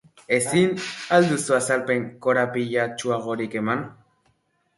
Ezin al duzu azalpen korapilatsuagorik eman?